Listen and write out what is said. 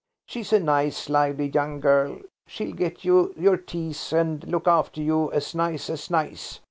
She's a nice lively young girl; she'll get you your teas, and look after you as nice as nice.